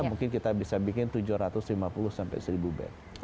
mungkin kita bisa bikin tujuh ratus lima puluh sampai seribu bed